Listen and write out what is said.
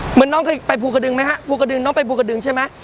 เหมือนน้องเคยไปภูกระดึงไหมฮะภูกระดึงน้องไปภูกระดึงใช่ไหม